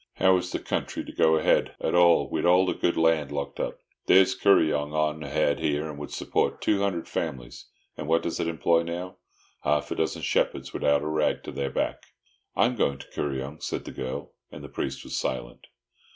"How is the country to go ahead at all wid all the good land locked up? There's Kuryong on ahead here would support two hundthred fam'lies, and what does it employ now? Half a dozen shepherds, widout a rag to their back." "I am going to Kuryong," said the girl; and the priest was silent.